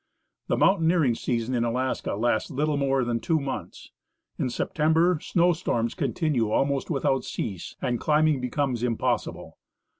The mountain eering season in Alaska lasts little more than two months. In September snow storms continue al most without cease, and climbing becomes impossible.